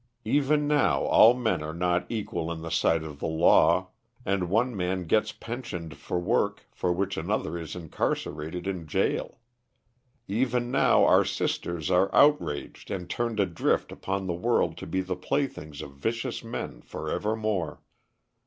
Even now all men are not equal in the sight of the law; and one man gets pensioned for work for which another is incarcerated in gaol. Even now our sisters are outraged and turned adrift upon the world to be the playthings of vicious men for evermore.